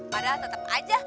padahal tetap aja